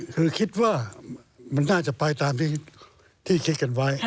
คือคิดว่ามันน่าจะไปตามที่คิดกันไว้